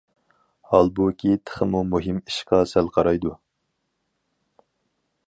ھالبۇكى، تېخىمۇ مۇھىم ئىشقا سەل قارايدۇ.